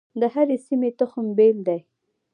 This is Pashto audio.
د هرې سیمې تخم بیل دی.